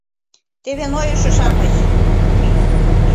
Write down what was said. Теве нойышо-шамыч!..